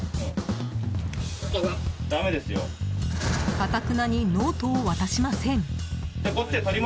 頑なにノートを渡しません。